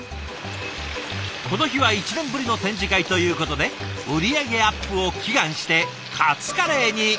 この日は１年ぶりの展示会ということで売り上げアップを祈願してカツカレーに！